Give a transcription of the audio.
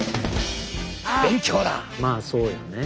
まあそうよね。